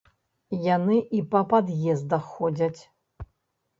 Яны і па пад'ездах ходзяць.